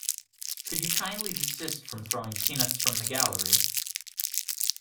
Could you kindly desist from throwing peanuts from the gallery?